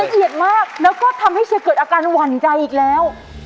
เกียรติมากแล้วก็ทำให้เชียร์เกิดอาการหวั่นใจอีกแล้ว